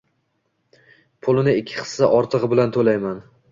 Pulini ikki hissi ortigʻi bilan toʻlayman.